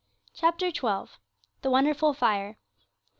CHAPTER XII. THE WONDERFUL FIRE.